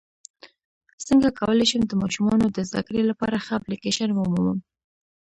څنګه کولی شم د ماشومانو د زدکړې لپاره ښه اپلیکیشن ومومم